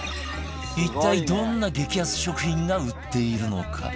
一体どんな激安食品が売っているのか？